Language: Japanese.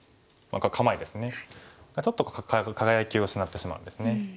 構えですねがちょっと輝きを失ってしまうんですね。